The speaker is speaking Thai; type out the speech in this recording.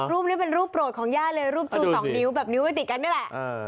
รูปนี้เป็นรูปโปรดของย่าเลยรูปชูสองนิ้วแบบนิ้วไม่ติดกันนี่แหละ